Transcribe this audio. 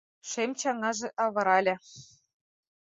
Шем чаҥаже авырале.